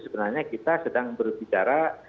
sebenarnya kita sedang berbicara